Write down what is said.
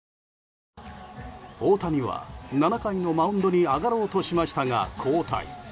大谷は７回のマウンドに上がろうとしましたが交代。